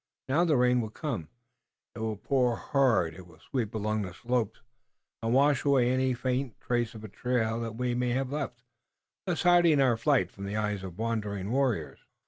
Now the rain will come, it will pour hard, it will sweep along the slopes, and wash away any faint trace of a trail that we may have left, thus hiding our flight from the eyes of wandering warriors."